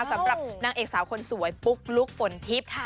สำหรับนางเอกสาวคนสวยปุ๊กลุ๊กฝนทิพย์